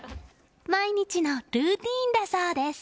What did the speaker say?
毎日のルーティンだそうです。